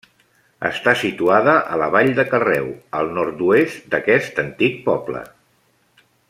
Està situada a la vall de Carreu, al nord-oest d'aquest antic poble.